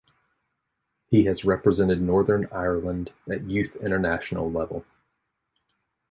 He has represented Northern Ireland at youth international level.